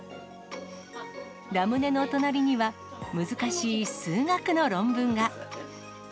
ラムネの隣には、難しい数学の論文が。